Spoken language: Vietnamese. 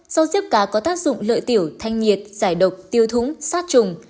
sau diếp cá có tác dụng lợi tiểu thanh nhiệt giải độc tiêu thúng sát trùng